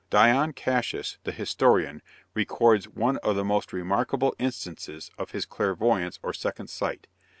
Dion Cassius, the historian, records one of the most remarkable instances of his clairvoyance or second sight.